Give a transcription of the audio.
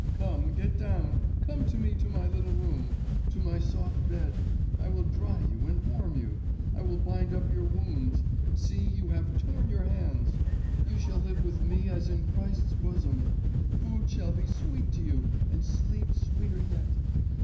Come, get down; come to me to my little room, to my soft bed. I will dry you and warm you; I will bind up your wounds; see, you have torn your hands. You shall live with me as in Christ's bosom; food shall be sweet to you and sleep sweeter yet.